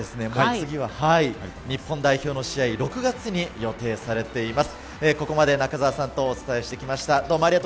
次の、日本代表の試合は６月に予定されています。